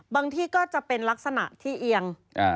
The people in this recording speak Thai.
ที่ก็จะเป็นลักษณะที่เอียง